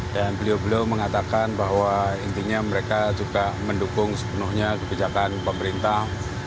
dan beliau beliau mengatakan bahwa intinya mereka juga mendukung sepenuhnya kebijakan pemerintah